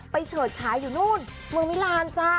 ไปเฉิดช้ายอยู่นู้นเมืองมิรานด์จ้า